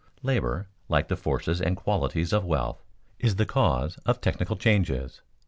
Labor, like the forces and qualities of wealth, is the cause of technical changes.